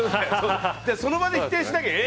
その場で否定しなきゃね。